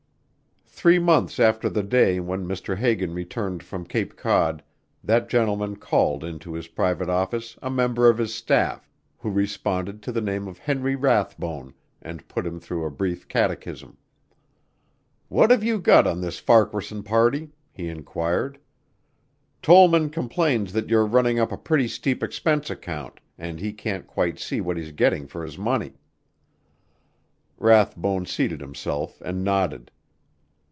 Three months after the day when Mr. Hagan returned from Cape Cod, that gentleman called into his private office a member of his staff, who responded to the name of Henry Rathbone, and put him through a brief catechism. "What have you got on this Farquaharson party?" he inquired. "Tollman complains that you're running up a pretty steep expense account and he can't quite see what he's getting for his money." Rathbone seated himself and nodded.